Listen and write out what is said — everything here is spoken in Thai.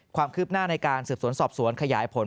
ความคืบหน้าในการสืบสวนสอบสวนขยายผล